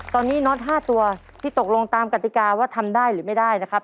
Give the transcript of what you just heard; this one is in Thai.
ตอนนี้น็อต๕ตัวที่ตกลงตามกติกาว่าทำได้หรือไม่ได้นะครับ